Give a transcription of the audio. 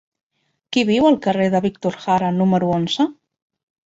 Qui viu al carrer de Víctor Jara número onze?